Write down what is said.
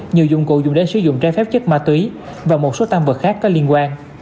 nhiều dụng cụ dùng để sử dụng trái phép chất ma túy và một số tăng vật khác có liên quan